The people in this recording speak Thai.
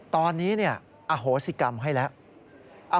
ตอนนี้เนี่ยอโหสิกรรมให้และ